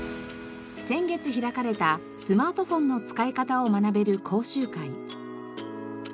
先月開かれたスマートフォンの使い方を学べる講習会。